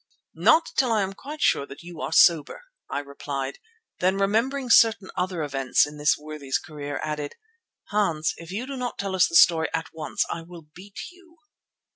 "Not till I am quite sure that you are sober," I replied; then, remembering certain other events in this worthy's career, added; "Hans, if you do not tell us the story at once I will beat you."